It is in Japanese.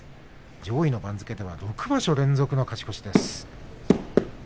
上位の番付で６場所連続の勝ち越しです。